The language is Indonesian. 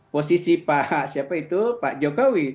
posisi pak siapa itu pak jokowi